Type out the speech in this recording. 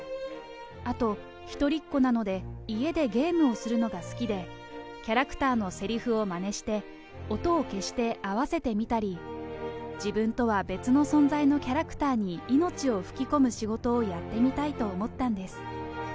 あと一人っ子なので、家でゲームをするのが好きで、キャラクターのせりふをまねして、音を消して合わせて見たり、自分とは別の存在のキャラクターに命を吹き込む仕事をやってみたいと思ったんです。